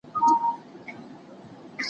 تاريخ د اتلانو کيسې کوي.